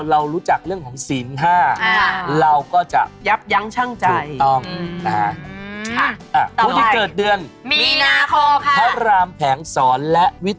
เรารู้จักเรื่องของศีล๕เราก็จะยับยั้งชั่งใจ